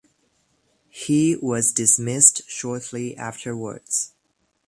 He was dismissed shortly afterwards.